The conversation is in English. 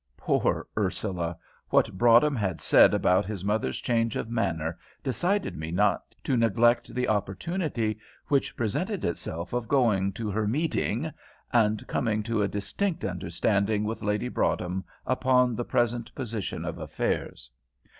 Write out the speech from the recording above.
Poor Ursula! what Broadhem had said about his mother's change of manner decided me not to neglect the opportunity which presented itself of going to her "meeting," and coming to a distinct understanding with Lady Broadhem upon the present position of affairs.